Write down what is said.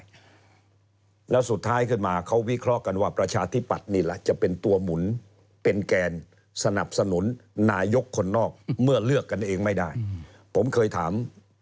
แล้วสุดท้ายขึ้นมาเขาวิเคราะห์กันว่าประชาธิปัตย์นี่แหละจะเป็นตัวหมุนเป็นแกนสนับสนุนนายกคนนอกเมื่อเลือกกันเองไม่ได้ผมเคยถาม